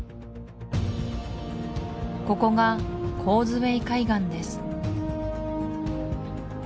ここがコーズウェイ海岸です